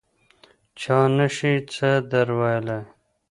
چا نه شي څه در ویلای.